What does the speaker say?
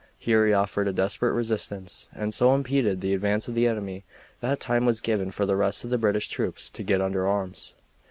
Here he offered a desperate resistance, and so impeded the advance of the enemy that time was given for the rest of the British troops to get under arms.